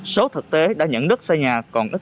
số thực tế đã nhận đất xây nhà còn ít